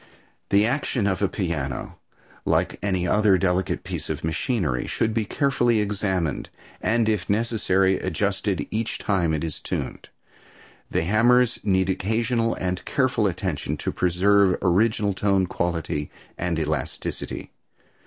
The action of a piano, like any other delicate piece of machinery, should be carefully examined, and, if necessary, adjusted each time it is tuned. The hammers need occasional and careful attention to preserve original tone quality and elasticity.